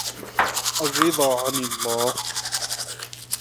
الرِّضَى عَنْ اللَّهِ